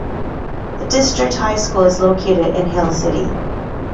The district high school is located in Hill City.